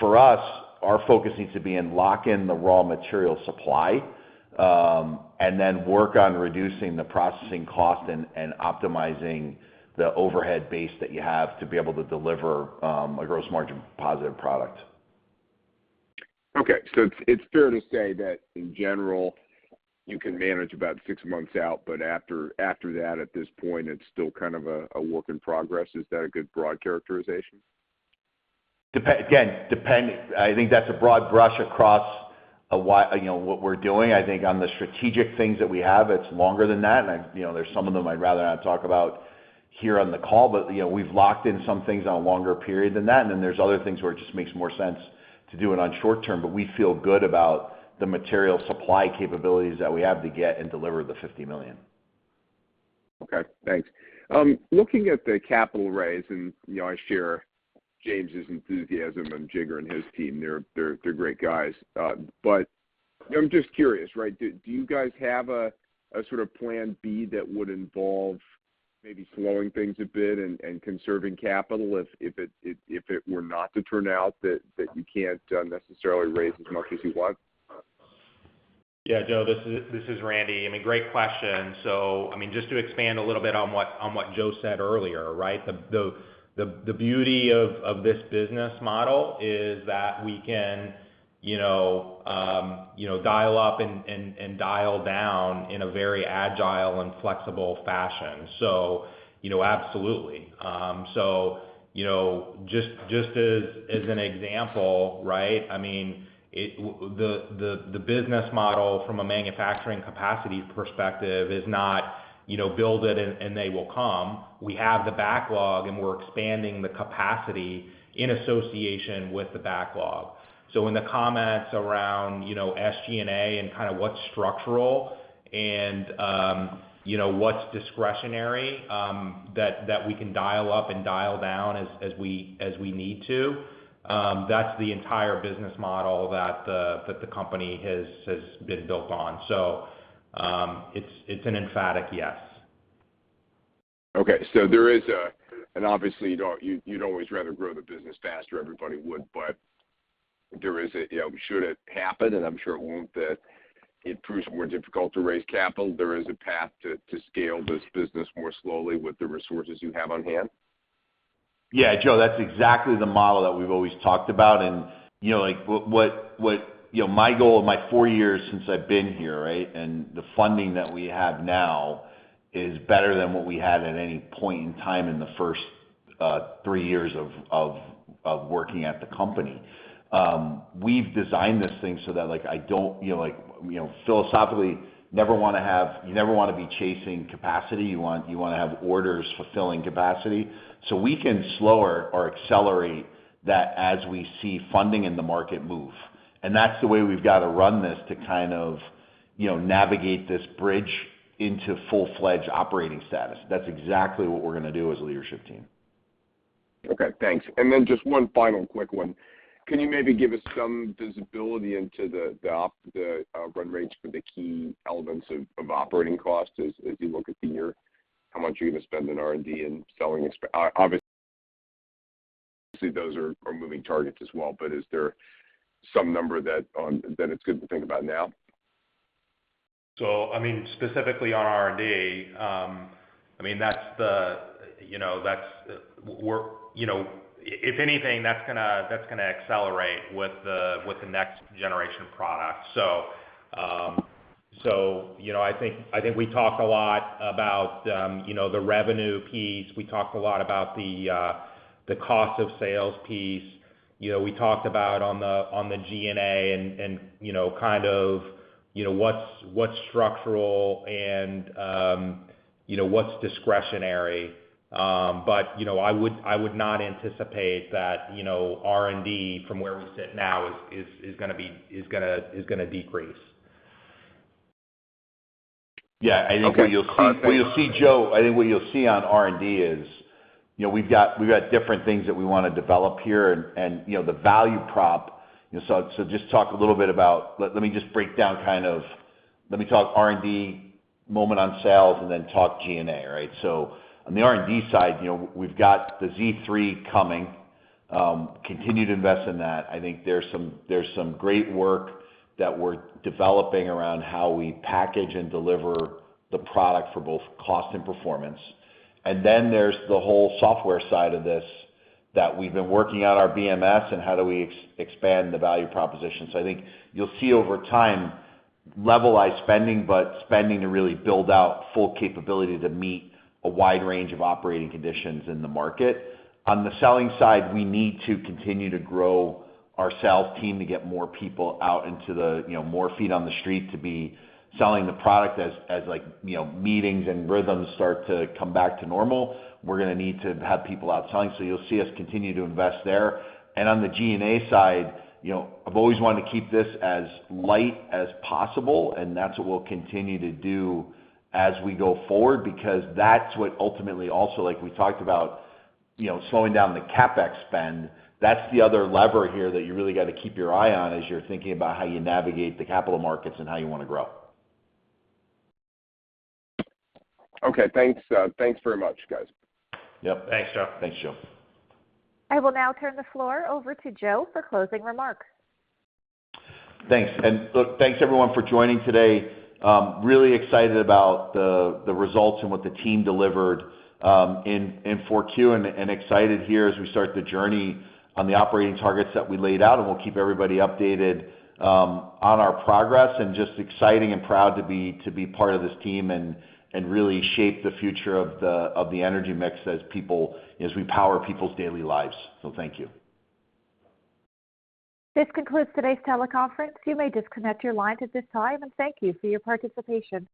For us, our focus needs to be to lock in the raw material supply, and then work on reducing the processing cost and optimizing the overhead base that you have to be able to deliver a gross margin positive product. Okay. It's fair to say that, in general, you can manage about six months out, but after that, at this point, it's still kind of a work in progress. Is that a good broad characterization? I think that's a broad brush across a wide, what we're doing. I think on the strategic things that we have, it's longer than that. There's some of them I'd rather not talk about here on the call. We've locked in some things on a longer period than that. Then there's other things where it just makes more sense to do it on short term. We feel good about the material supply capabilities that we have to get and deliver the $50 million. Okay, thanks. Looking at the capital raise, I share James' enthusiasm and Jigar and his team. They're great guys. I'm just curious, right? Do you guys have a sort of plan B that would involve maybe slowing things a bit and conserving capital if it were not to turn out that you can't necessarily raise as much as you want? Yeah, Joe, this is Randy. I mean, great question. I mean, just to expand a little bit on what Joe said earlier, right? The beauty of this business model is that we can, dial up and dial down in a very agile and flexible fashion. Absolutely.Just as an example, right? I mean, the business model from a manufacturing capacity perspective is not, build it and they will come. We have the backlog, and we're expanding the capacity in association with the backlog. When the comments around SG&A and kinda what's structural and what's discretionary that we can dial up and dial down as we need to, that's the entire business model that the company has been built on. It's an emphatic yes. Okay. Obviously, you don't, you'd always rather grow the business faster, everybody would. There is a, should it happen, and I'm sure it won't, that it proves more difficult to raise capital, there is a path to scale this business more slowly with the resources you have on hand? Yeah, Joe, that's exactly the model that we've always talked about. My goal of my four years since I've been here, right, and the funding that we have now is better than what we had at any point in time in the first three years of working at the company. We've designed this thing so that, like, I don't, like, philosophically never wanna have you never wanna be chasing capacity. You want to have orders fulfilling capacity. We can slow or accelerate that as we see funding in the market move. That's the way we've gotta run this to kind of, navigate this bridge into full-fledged operating status. That's exactly what we're gonna do as a leadership team. Okay, thanks. Just one final quick one. Can you maybe give us some visibility into the run rates for the key elements of operating costs as you look at the year? How much are you gonna spend in R&D and selling? Obviously, those are moving targets as well, but is there some number that it's good to think about now? I mean, specifically on R&D, if anything, that's gonna accelerate with the next generation product. I think we talked a lot about the revenue piece. We talked a lot about the cost of sales piece. We talked about on the G&A and kind of what's structural and what's discretionary. I would not anticipate that R&D from where we sit now is gonna decrease. Yeah. I think what you'll see. Okay. What you'll see, Joe, I think what you'll see on R&D is, we've got different things that we wanna develop here and the value prop. Let me talk R&D a moment on sales, and then talk G&A, right? On the R&D side, we've got the Z3™ coming, continue to invest in that. I think there's some great work that we're developing around how we package and deliver the product for both cost and performance. Then there's the whole software side of this that we've been working on our BMS and how do we expand the value proposition. I think you'll see over time levelized spending, but spending to really build out full capability to meet a wide range of operating conditions in the market. On the selling side, we need to continue to grow our sales team to get more people out into the more feet on the street to be selling the product as like meetings and rhythms start to come back to normal. We're gonna need to have people out selling, so you'll see us continue to invest there. On the G&A side, I've always wanted to keep this as light as possible, and that's what we'll continue to do as we go forward because that's what ultimately also, like we talked about slowing down the CapEx spend. That's the other lever here that you really gotta keep your eye on as you're thinking about how you navigate the capital markets and how you wanna grow. Okay. Thanks very much, guys. Yep. Thanks, Joe. Thanks, Joe. I will now turn the floor over to Joe for closing remarks. Thanks. Look, thanks everyone for joining today. Really excited about the results and what the team delivered in Q4. Excited here as we start the journey on the operating targets that we laid out, and we'll keep everybody updated on our progress. Just exciting and proud to be part of this team and really shape the future of the energy mix as we power people's daily lives. Thank you. This concludes today's teleconference. You may disconnect your lines at this time, and thank you for your participation.